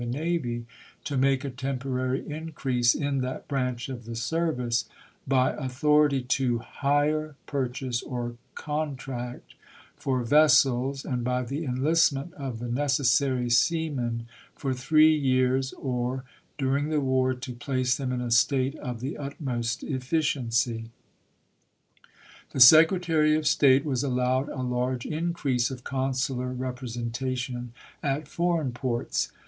the Navy to make a temporary increase in that branch of the service, by authority to " hire, pur chase, or contract " for vessels, and by the enlist ment of the necessary seamen for three years, or during the war, to place them in a state of the utmost efficiency. The Secretary of State was allowed a large increase of consular representation at foreign ports.